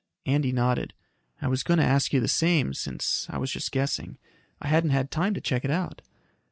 Andy nodded. "I was going to ask you the same, since I was just guessing. I hadn't had time to check it out."